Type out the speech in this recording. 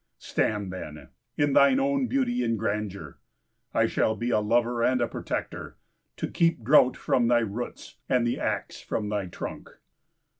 Stand, then, in thine own beauty and grandeur! I shall be a lover and a protector, to keep drought from thy roots, and the axe from thy trunk."